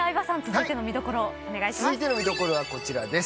続いての見どころはこちらです。